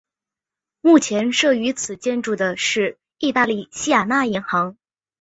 目前设于此建筑的是意大利西雅那银行。